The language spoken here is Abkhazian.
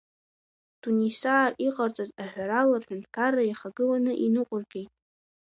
Тунисаа иҟарҵаз аҳәарала, рҳәынҭқарра иахагыланы иныҟәыргеит.